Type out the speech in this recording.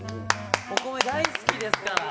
お米大好きですから。